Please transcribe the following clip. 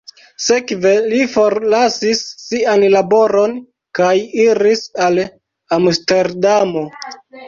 Sekve li forlasis sian laboron kaj iris al Amsterdamo.